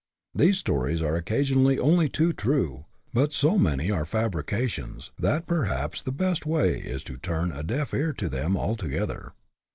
These stories are occasionally only too true, but so many are fabrications, that perhaps the best way is to turn a deaf ear to them altogether.